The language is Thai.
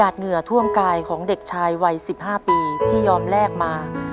เรามีช่องกันอาจมากจะเผยมีเงิน